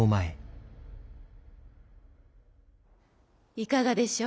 いかがでしょう